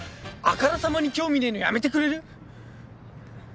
あからさまに興味ねえのやめてくれる！？